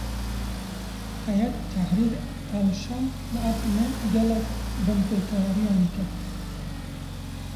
Heyet Tehrîr el Şam li Efrînê gelek binpêkariyan dike.